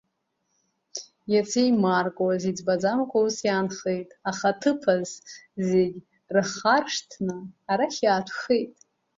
Иац еимаркуаз, иӡбаӡамкәа ус иаанхеит, аха аҭыԥаз, зегь рхаршҭны арахь иаатәхеит!